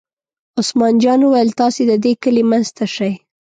عثمان جان وویل: تاسې د دې کلي منځ ته شئ.